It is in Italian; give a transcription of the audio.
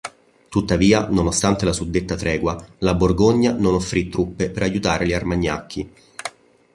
Tuttavia, nonostante la suddetta tregua, la Borgogna non offrì truppe per aiutare gli Armagnacchi.